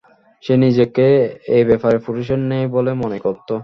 সে নিজেকে এ ব্যাপারে পুরুষের ন্যায় বলে মনে করত।